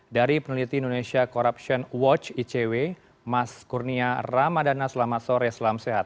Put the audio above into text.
dari peneliti indonesia corruption watch icw mas kurnia ramadana selamat sore selamat sehat